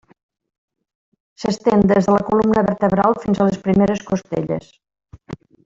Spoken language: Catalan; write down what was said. S'estén des de la columna vertebral fins a les primeres costelles.